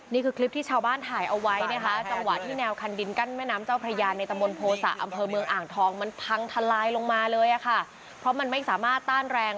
นี่คือคลิปที่ชาวบ้านถ่ายเอาไว้นะคะจังหวะที่แนวคันดินกั้นแม่น้ำเจ้าพระยาในตะมนต์โภษะอำเภอเมืองอ่างทองมันพังทลายลงมาเลยอ่ะค่ะเพราะมันไม่สามารถต้านแรง